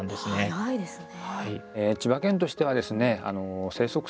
速いですね。